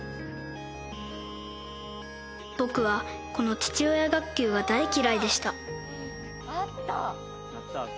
［僕はこの父親学級が大嫌いでした］